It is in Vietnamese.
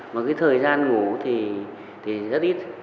mà cái thời gian ngủ thì rất ít